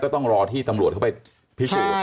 ต้องรอที่ตำรวจเข้าไปพิสูจน์